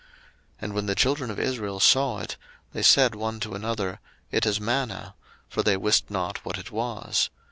02:016:015 And when the children of Israel saw it, they said one to another, It is manna: for they wist not what it was.